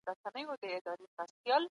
که بنسټونه قوي وي سیاست هم قوي کیږي.